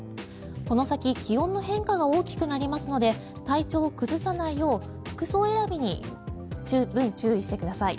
この先気温の変化が大きくなりますので体調を崩さないよう服装選びに十分注意してください。